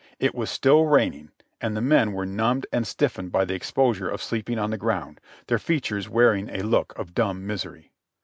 It was still raining and the men were numbed and stiffened by the exposure of sleeping on the ground, their features wearing a look of dumb misery.